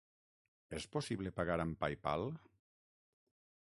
És possible pagar amb Paypal?